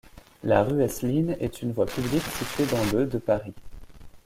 La rue Asseline est une voie publique située dans le de Paris.